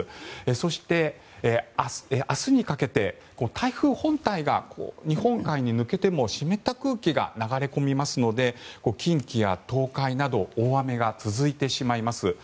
そして、明日にかけて台風本体が日本海に抜けても湿った空気が流れ込みますので近畿や東海など大雨が続いてしまいます。